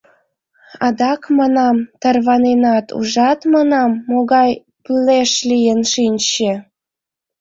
— Адак, манам, тарваненат, ужат, манам, могай плеш лийын шинче...